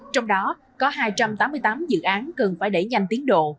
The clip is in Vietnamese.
trong đó có hai trăm tám mươi tám dự án cần phải đẩy nhanh tiến độ